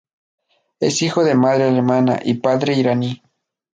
Es hijo de madre alemana y padre iraní.